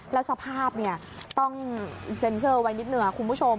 แล้วสภาพต้องเซ็นเซอร์ไว้นิดหนึ่งคุณผู้ชม